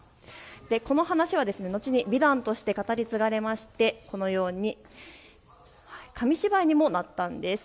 この話は後に美談として語り継がれましてこのように紙芝居にもなったんです。